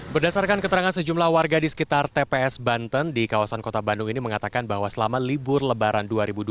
berdasarkan keterangan sejumlah warga di sekitar tps banten di kawasan kota bandung ini mengatakan bahwa selama libur lebaran dua ribu dua puluh